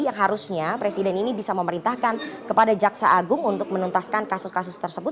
yang harusnya presiden ini bisa memerintahkan kepada jaksa agung untuk menuntaskan kasus kasus tersebut